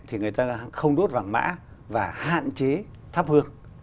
thì người ta không đốt vàng mã và hạn chế thắp hương